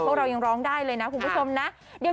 พวกเรายังร้องได้เลยนะคุณผู้ชมนะ